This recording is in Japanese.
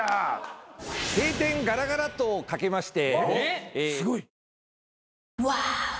閉店ガラガラと掛けまして。